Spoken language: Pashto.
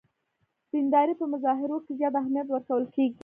دیندارۍ په مظاهرو کې زیات اهمیت ورکول کېږي.